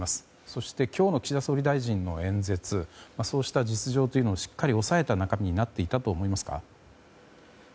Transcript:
そして今日の岸田総理大臣の演説はそうした実情というのをしっかり抑えた中身になっていたと思いますか。